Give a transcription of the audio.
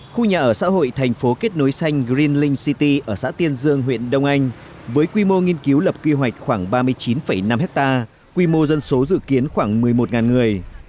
khu nhà ở xã hội thành phố kết nối xanh green link city ở xã tiên dương huyện đông anh với quy mô nghiên cứu lập quy hoạch khoảng ba mươi chín năm ha quy mô dân số dự kiến khoảng một mươi một người